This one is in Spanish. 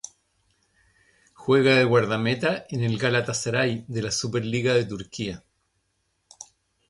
Juega de guardameta en el Galatasaray de la Superliga de Turquía.